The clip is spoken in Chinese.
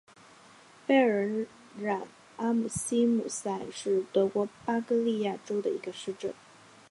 贝尔瑙阿姆希姆塞是德国巴伐利亚州的一个市镇。